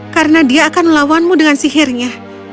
karena dia akan melawanmu dengan sihirnya